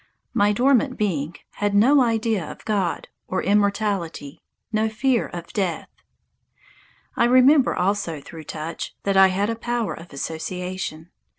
My dormant being had no idea of God or immortality, no fear of death. I remember, also through touch, that I had a power of association.